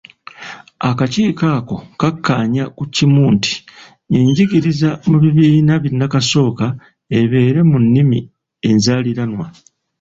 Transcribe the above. Akakiiko ako kakkaanya ku kimu nti enjigiriza mu bibiina binnakasooka ebeere mu nnimi enzaaliranwa.